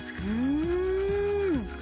うん！